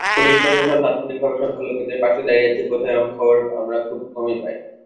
পুলিশ-প্রশাসন তাৎক্ষণিকভাবে সংখ্যালঘুদের পাশে দাঁড়িয়েছে কোথাও—এমন খবর আমরা খুব কমই পাই।